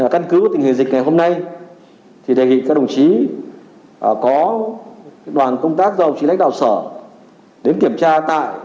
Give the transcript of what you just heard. căn cứ tình hình dịch ngày hôm nay thì đề nghị các đồng chí có đoàn công tác dầu chỉ lãnh đạo sở đến kiểm tra tại